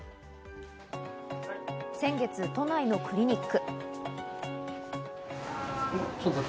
先月、都内のクリニック。